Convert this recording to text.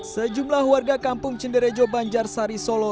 sejumlah warga kampung cinderejo banjar sari solo